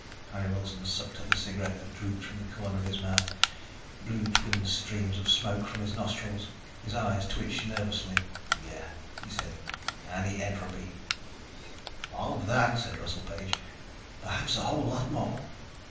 Harry Wilson sucked at the cigarette that drooped from the corner of his mouth, blew twin streams of smoke from his nostrils. His eyes twitched nervously. "Yeah," he said. "Anti entropy." "All of that," said Russell Page. "Perhaps a whole lot more."